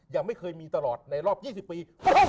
ยังไม่เคยมีตลอดในรอบ๒๐ปี